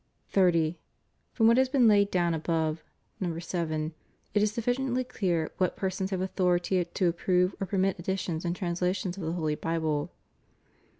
30. From what has been laid down above (No. 7), it is sufficiently clear what persons have authority to approve or permit editions and translations of the Holy Bible.